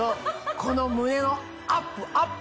この胸のアップアップ！